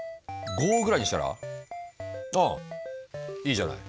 ５ぐらいにしたらああいいじゃない。